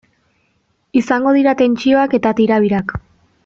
Izango dira tentsioak eta tirabirak.